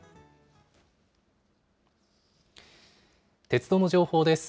鉄道の情報です。